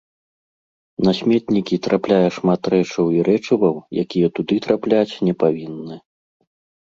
На сметнікі трапляе шмат рэчаў і рэчываў, якія туды трапляць не павінны.